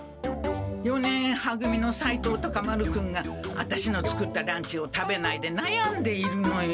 四年は組の斉藤タカ丸君がアタシの作ったランチを食べないでなやんでいるのよ。